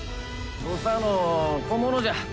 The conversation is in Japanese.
土佐の小物じゃ。